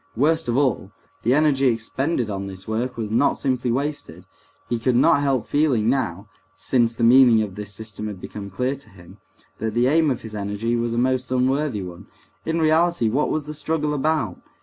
Worst of all, the energy expended on this work was not simply wasted. He could not help feeling now, since the meaning of this system had become clear to him, that the aim of his energy was a most unworthy one. In reality, what was the struggle about?